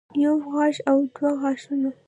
يو غاښ او دوه غاښونه